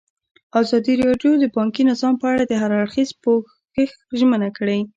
ازادي راډیو د بانکي نظام په اړه د هر اړخیز پوښښ ژمنه کړې.